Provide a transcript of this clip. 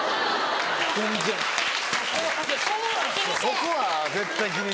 そこは絶対気に。